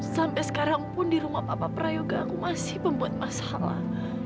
sampai sekarang pun di rumah papa prayoga aku masih membuat masalah